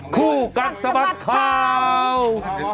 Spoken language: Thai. คู่กันสมัครข่าว